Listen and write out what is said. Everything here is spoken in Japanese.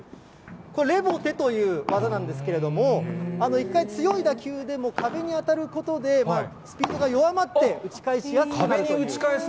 これ、レボテという技なんですけれども、一回強い打球で壁に当たることで、スピードが弱まって打ち返しやすくなるという。